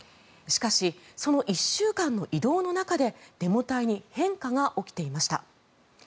しかし、その１週間の移動の中でデモ隊に変化が起きていました。